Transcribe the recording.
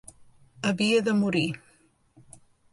Havia de morir.